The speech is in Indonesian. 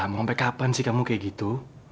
mau sampai kapan sih kamu kayak gitu